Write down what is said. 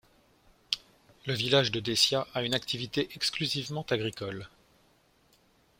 Le village de Dessia à une activité exclusivement agricole.